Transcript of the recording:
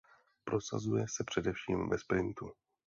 Prosazuje se především ve sprintu.